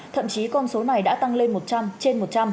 thậm chí con số này đã tăng lên một trăm linh trên một trăm linh